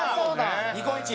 ニコイチ！